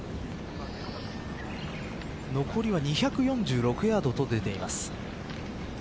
残りは２４６ヤードと出ています。